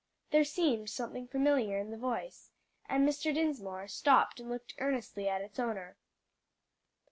There seemed something familiar in the voice, and Mr. Dinsmore stopped and looked earnestly at its owner.